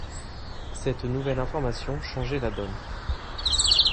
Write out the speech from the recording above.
Cette nouvelle information changeait la donne.